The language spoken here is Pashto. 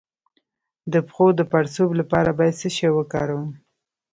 د پښو د پړسوب لپاره باید څه شی وکاروم؟